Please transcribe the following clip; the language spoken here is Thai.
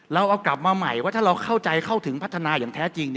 เราเอากลับมาใหม่ว่าถ้าเราเข้าใจเข้าถึงพัฒนาอย่างแท้จริง